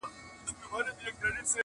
زه په مین سړي پوهېږم٫